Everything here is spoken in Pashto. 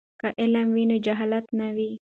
که علم وي نو جهالت نه وي.